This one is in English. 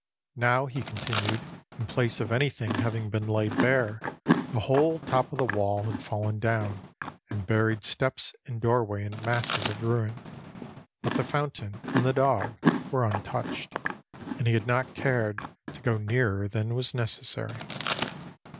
Now, he continued, in place of anything having been laid bare, the whole top of the wall had fallen down and buried steps and doorway in masses of ruin. But the fountain and the dog were untouched, and he had not cared to go nearer than was necessary.